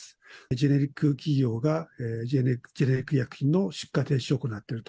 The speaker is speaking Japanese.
ジェネリック企業が、ジェネリック医薬品の出荷停止を食らっていると。